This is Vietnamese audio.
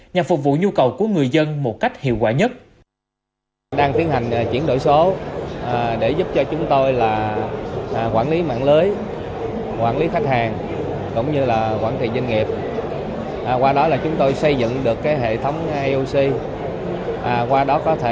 nhằm phục vụ nhu cầu của người dân một cách hiệu quả nhất